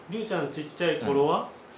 ちっちゃい頃は？